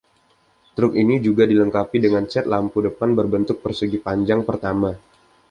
Truk ini juga dilengkapi dengan set lampu depan berbentuk persegi panjang pertama.